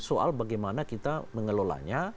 soal bagaimana kita mengelolanya